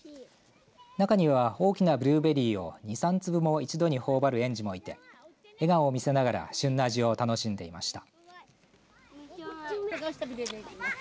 中には、大きなブルーベリーを２、３粒を一度にほおばる園児もいて笑顔を見せながら旬の味を楽しんでいました。